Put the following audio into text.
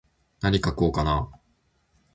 なに書こうかなー。